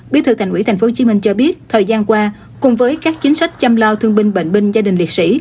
bí thư thành ủy tp hcm cho biết thời gian qua cùng với các chính sách chăm lo thương binh bệnh binh gia đình liệt sĩ